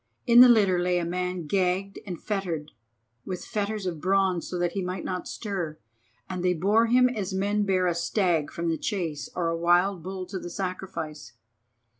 In the litter lay a man gagged and fettered with fetters of bronze so that he might not stir, and they bore him as men bear a stag from the chase or a wild bull to the sacrifice.